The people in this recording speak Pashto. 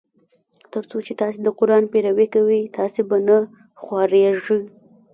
تر څو چي تاسي د قرآن پیروي کوی تاسي به نه خوارېږی.